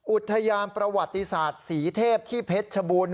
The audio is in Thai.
อุทยานประวัติศาสตร์ศรีเทพที่เพชรชบูรณ